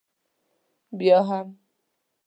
بیا هم.